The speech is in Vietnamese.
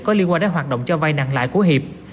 có liên quan đến hoạt động cho vay nặng lãi của hiệp